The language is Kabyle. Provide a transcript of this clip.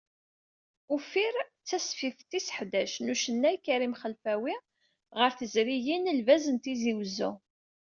"Uffir"d tasfift tis ḥdac n ucennay Karim Xelfawi, ɣer tezrigin “El Vaz” n Tizi Uzzu.